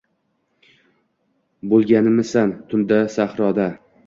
Bo’lganmisan tunda sahroda?